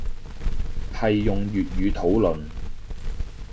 係用粵語討論